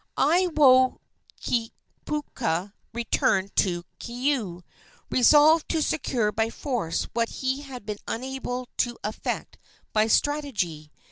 Aiwohikupua returned to Keaau, resolved to secure by force what he had been unable to effect by strategy.